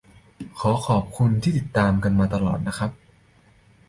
ขอขอบคุณที่ติดตามกันมาตลอดครับ